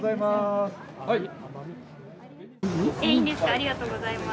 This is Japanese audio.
ありがとうございます。